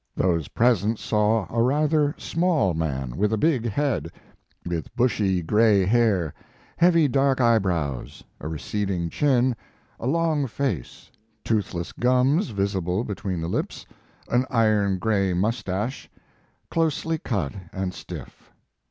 Those present saw a rather small man, with a big head, with bushy gray hair, heavy dark eyebrows, a receding c un, a long face, toothless gums visible between the lips, an iron gray mustache, closely cut and stiff.